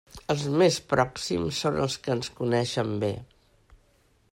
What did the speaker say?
Els més pròxims són els que ens coneixen bé.